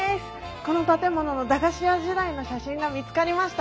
この建物の駄菓子屋時代の写真が見つかりました。